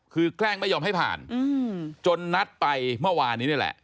คือแกล้งไม่ยอมให้ผ่านจนนัดไปเมื่อวานนี้นี่แหละ